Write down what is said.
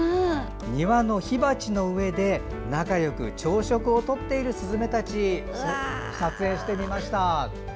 庭の火鉢の上で仲よく朝食をとっているすずめたちを撮影してみました。